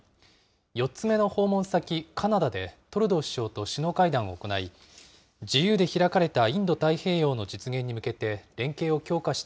４つ目の訪問先、カナダで、トルドー首相と首脳会談を行い、自由で開かれたインド太平洋の実現に向けて連携を強化して